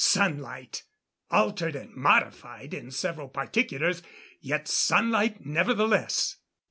Sunlight! Altered and modified in several particulars, yet sunlight nevertheless.